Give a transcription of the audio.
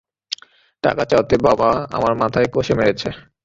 টাকা চাওয়াতে বাবা আমার মাথায় কষে মেরেছে।